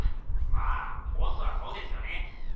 まあボスはそうですよね。